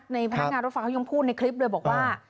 ในพันธ์งานรถฟ้าเขายังพูดในคลิปด้วยบอกว่า